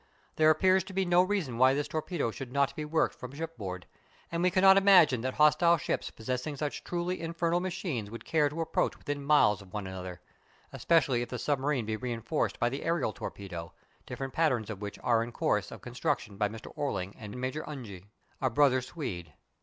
There appears to be no reason why this torpedo should not be worked from shipboard; and we cannot imagine that hostile ships possessing such truly infernal machines would care to approach within miles of one another, especially if the submarine be reinforced by the aërial torpedo, different patterns of which are in course of construction by Mr. Orling and Major Unge, a brother Swede.